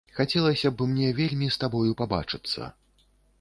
Хацелася б мне вельмі з табою пабачыцца.